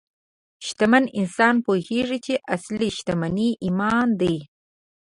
شتمن انسان پوهېږي چې اصلي شتمني ایمان دی.